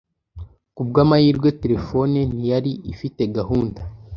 Kubwamahirwe terefone ntiyari ifite gahunda.